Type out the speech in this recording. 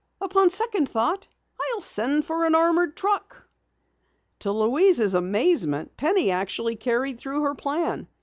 Upon second thought, I'll send for an armored truck." To Louise's amazement, Penny actually carried through her plan.